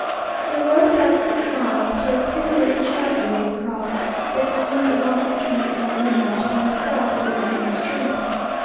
We rode about six miles to a pretty little chapel with a cross, that gleamed amongst the trees in the moonlight, by the side of a running stream.